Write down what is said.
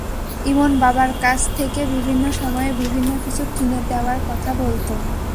ইমন বাবার কাছ থেকে বিভিন্ন সময়ে বিভিন্ন কিছু কিনে দেওয়ার কথা বলত।